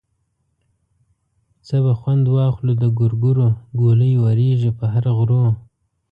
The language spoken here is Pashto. څه به خوند واخلو د ګورګورو ګولۍ ورېږي په هر غرو.